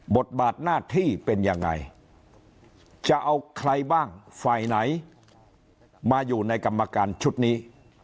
บทบาทหน้าที่เป็นยังไงจะเอาใครบ้างฝ่ายไหนมาอยู่ในกรรมการชุดนี้